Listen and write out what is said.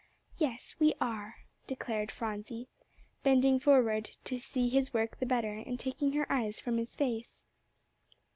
"Yes, we are," declared Phronsie, bending forward to see his work the better, and taking her eyes from his face.